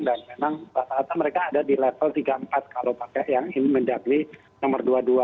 dan memang bahasa atas mereka ada di level tiga empat kalau pakai yang mendatangkan nomor dua puluh dua